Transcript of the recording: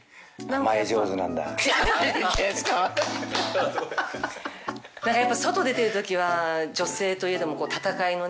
だからやっぱり外出てる時は女性といえども戦いのね。